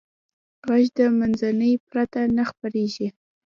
غږ د منځنۍ پرته نه خپرېږي.